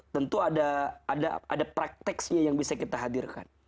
tentu ada prakteknya yang bisa kita hadirkan